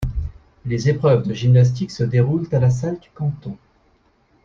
Les épreuves de gymnastique se déroulent à la Salle du Canton.